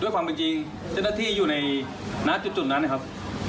ครับ